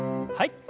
はい。